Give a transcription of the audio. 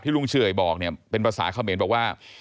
ลุงเฉยบอกเนี่ยเป็นภาษาเขมรบอกว่า